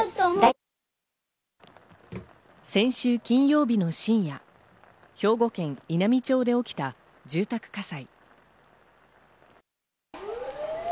先週金曜日の深夜、兵庫県稲美町で起きた住宅火災。